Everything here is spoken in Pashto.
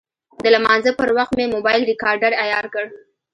د لمانځه پر وخت مې موبایل ریکاډر عیار کړ.